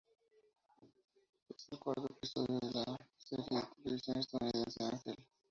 Es el cuarto episodio de la de la serie de televisión estadounidense Ángel.